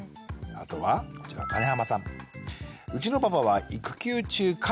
あとはこちら金濱さん。